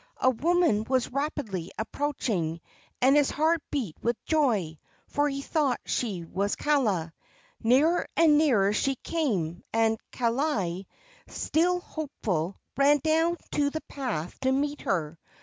A woman was rapidly approaching, and his heart beat with joy, for he thought she was Kaala. Nearer and nearer she came, and Kaaialii, still hopeful, ran down to the path to meet her.